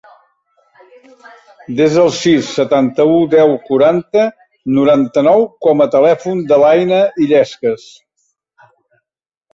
Desa el sis, setanta-u, deu, quaranta, noranta-nou com a telèfon de l'Ànnia Illescas.